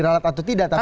diralat atau tidak